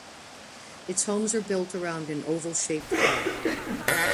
Its homes are built around an oval-shaped park.